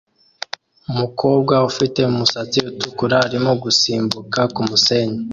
Umukobwa ufite umusatsi utukura arimo gusimbuka kumusenyi